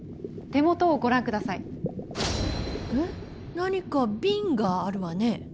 何か瓶があるわね。